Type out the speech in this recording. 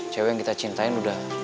cewek yang kita cintain udah